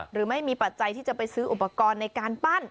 หรือไม่มีปัจจัยที่จะไปซื้ออุปกรณ์ในการปั้น